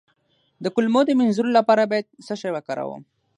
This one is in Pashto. د کولمو د مینځلو لپاره باید څه شی وکاروم؟